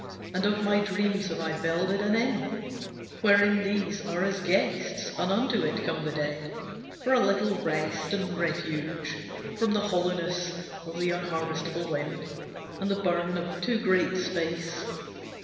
And of my dreams have I builded an inn Wherein these are as guests. And unto it come the dead For a little rest and refuge From the hollowness of the unharvestable wind, And the burden of too great space.